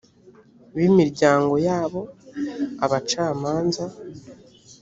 b imiryango yabo abacamanza